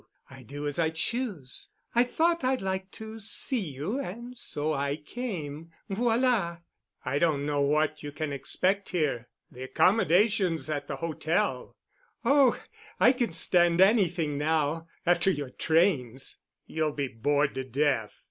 I do as I choose. I thought I'd like to see you, and so I came—Voilà." "I don't know what you can expect here. The accommodations at the hotel——" "Oh, I can stand anything now—after your trains——" "You'll be bored to death."